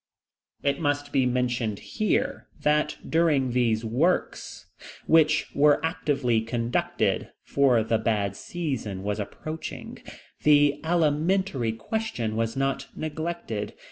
It must be mentioned here, that during these works, which were actively conducted, for the bad season was approaching, the alimentary question was not neglected.